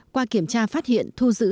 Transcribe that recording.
qua kiểm tra phát hiện thu giữ